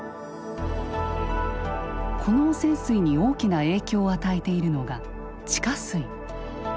この汚染水に大きな影響を与えているのが地下水。